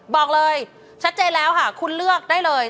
บอกเลยชัดเจนแล้วค่ะคุณเลือกได้เลย